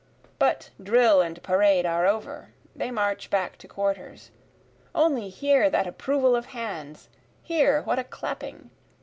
But drill and parade are over, they march back to quarters, Only hear that approval of hands! hear what a clapping!